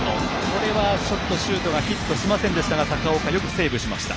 これはシュートがヒットしませんでしたが高丘がよくセーブしました。